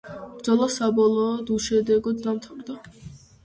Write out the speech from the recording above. ბრძოლა საბოლოოდ უშედეგოდ დამთავრდა.